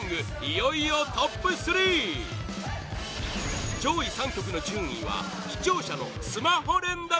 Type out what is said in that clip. いよいよトップ３上位３曲の順位は、視聴者のスマホ連打